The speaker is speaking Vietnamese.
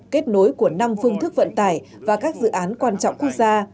kết nối của năm phương thức vận tải và các dự án quan trọng quốc gia